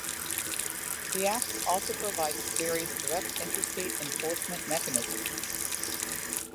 The Act also provides various direct interstate enforcement mechanisms.